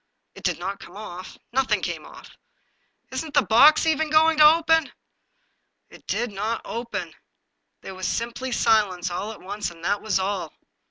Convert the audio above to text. It did not come off; noth ing came off. " Isn't the box even going to open ?" It did not open. There was simply silence all at once, and that was all.